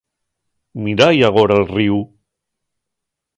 Mirái agora'l ríu.